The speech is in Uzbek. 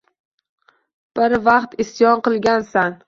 Bir vaqt isyon qilgansan.